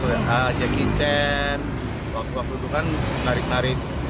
jackie chan waktu waktu itu kan menarik narik